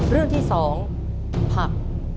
เรื่องที่๒ผัก